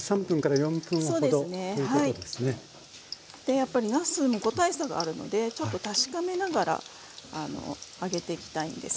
でやっぱりなすも個体差があるのでちょっと確かめながら揚げていきたいんです。